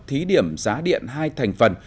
thí điểm giá điện hai thành phần